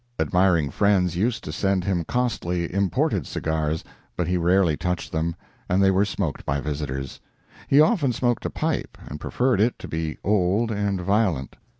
Admiring friends used to send him costly, imported cigars, but he rarely touched them, and they were smoked by visitors. He often smoked a pipe, and preferred it to be old and violent.